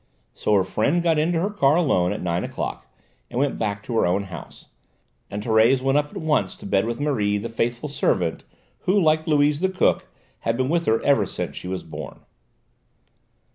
So her friend got into her car alone at nine o'clock and went back to her own house, and Thérèse went up at once to bed with Marie, the faithful servant who, like Louise the cook, had been with her ever since she was born.